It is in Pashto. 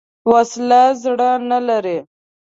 وسله زړه نه لري